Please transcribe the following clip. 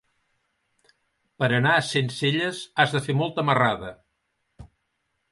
Per anar a Sencelles has de fer molta marrada.